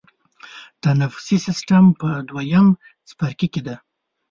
تنفسي سیستم په دویم څپرکي کې دی.